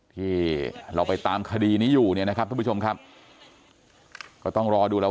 ที่เราไปตามคดีนี้อยู่เนี่ยนะครับทุกผู้ชมครับก็ต้องรอดูแล้ว